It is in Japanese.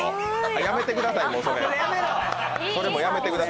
あ、やめてください、それ。